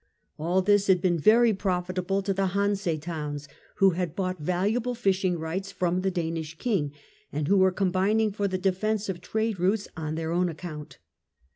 All this had been very THE SHORES OF THE BALTIC 235 profitable to the Hanse Towns, who had bought vahi able fishing rights from the Danish King, and who were combining for the defence of trade routes on their own account.